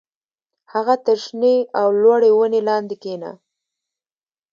هغه تر شنې او لوړې ونې لاندې کېنه